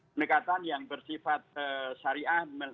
penekatan yang bersifat syariah